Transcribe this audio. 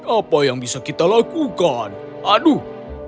apa yang bisa kita lakukan aduh